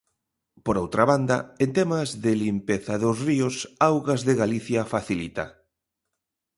Por outra banda, en temas de limpeza dos ríos, Augas de Galicia facilita.